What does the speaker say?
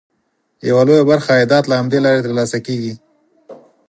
یوه لویه برخه عایدات له همدې لارې ترلاسه کېږي.